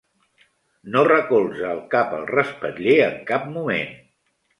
No recolza el cap al respatller en cap moment.